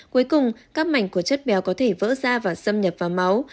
cuối cùng các mảnh của chất béo có thể vỡ da và xâm nhập vào máu